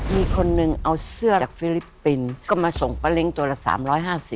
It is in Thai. มีคนนึงเอาเสื้อจากฟิลิปปินส์ก็มาส่งป้าเล้งตัวละ๓๕๐